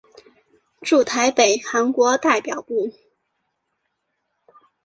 驻台北韩国代表部。